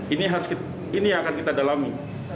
ini yang akan kita dalami